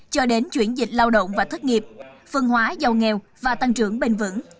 cho đến chuyển dịch lao động và thất nghiệp phân hóa giàu nghèo và tăng trưởng bền vững